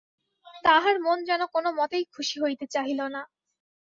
তাহার মন যেন কোনোমতেই খুশি হইতে চাহিল না।